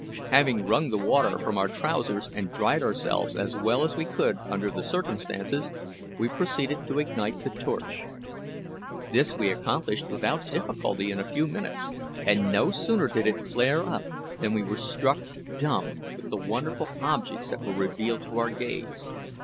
Having wrung the water from our trousers, and dried ourselves as well as we could under the circumstances, we proceeded to ignite the torch. This we accomplished without difficulty in a few minutes; and no sooner did it flare up than we were struck dumb with the wonderful objects that were revealed to our gaze.